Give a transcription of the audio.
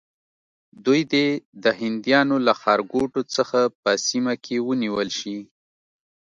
دوی دې د هندیانو له ښارګوټو څخه په سیمه کې ونیول شي.